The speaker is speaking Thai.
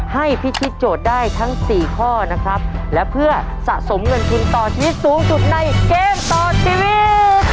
พิธีโจทย์ได้ทั้งสี่ข้อนะครับและเพื่อสะสมเงินทุนต่อชีวิตสูงสุดในเกมต่อชีวิต